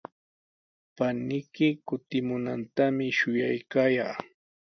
Paniyki kutimunantami shuyaykaa.